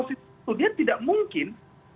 itu tidak mungkin